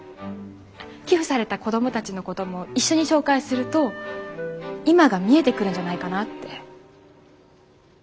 寄付された子どもたちのことも一緒に紹介すると今が見えてくるんじゃないかなって。